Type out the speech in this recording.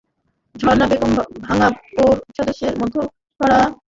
ঝর্ণা বেগম ভাঙ্গা পৌর সদরের মধ্যপাড়া হাসামদিয়া গ্রামের গেদু মাতুব্বরের স্ত্রী।